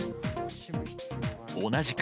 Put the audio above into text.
同じく。